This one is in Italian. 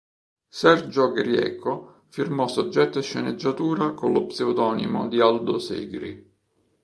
Sergio Grieco firmò soggetto e sceneggiatura con lo pseudonimo di Aldo Segri.